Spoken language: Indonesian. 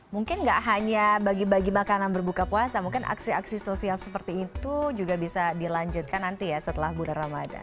mungkin nggak hanya bagi bagi makanan berbuka puasa mungkin aksi aksi sosial seperti itu juga bisa dilanjutkan nanti ya setelah bulan ramadan